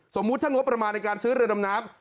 สมมุติถ้างบประมาณในการซื้อเรือดำน้ำ